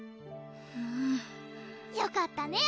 むうよかったね